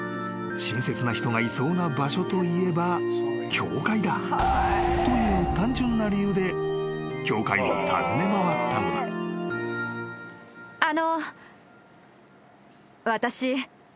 ［親切な人がいそうな場所といえば教会だという単純な理由で教会を訪ね回ったのだ］えっ！？